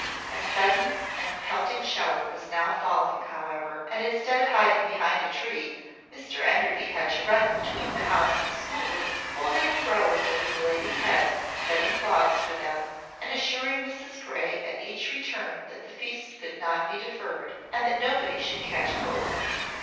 A sudden and pelting shower was now falling, however; and instead of hiding behind a tree, Mr Enderby had to run between the house and the schoolroom, holding umbrellas over the ladies' heads, setting clogs for them, and assuring Mrs Grey at each return that the feast could not be deferred, and that nobody should catch cold.